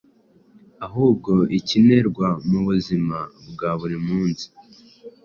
ahubwo ikenerwa mu buzima bwa buri munsi